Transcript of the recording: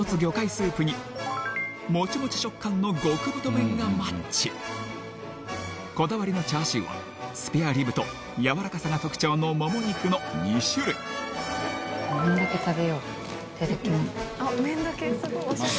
スープにモチモチ食感の極太麺がマッチこだわりのチャーシューはスペアリブとやわらかさが特徴のもも肉の２種類麺だけ食べよういただきます